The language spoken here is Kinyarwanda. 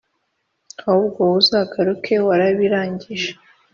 ahubwo wowe uzagaruke warabirangije”